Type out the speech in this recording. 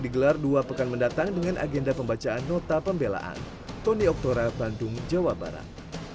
digelar dua pekan mendatang dengan agenda pembacaan nota pembelaan tony oktora bandung jawa barat